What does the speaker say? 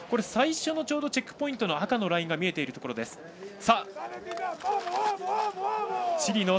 最初のチェックポイントの赤のラインが見えているところでした。